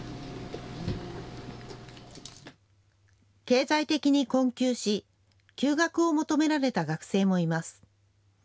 経済的に困窮し休学を求められた学生もいます。